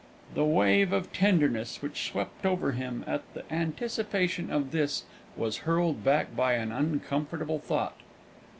The wave of tenderness which swept over him at the anticipation of this was hurled back by an uncomfortable thought.